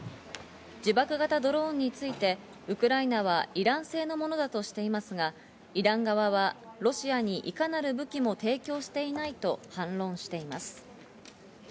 自爆型ドローンについてウクライナはイラン製のものだとしていますが、イラン側はロシアにいかなる武器も提供していないと反論しています。